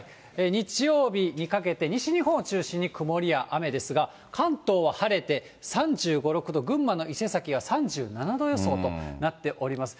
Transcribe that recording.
日曜日にかけて西日本を中心に曇りや雨ですが、関東は晴れて３５、６度、群馬の伊勢崎は３７度予想となっております。